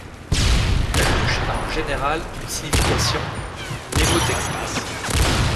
La touche a en général une signification mnémotechnique.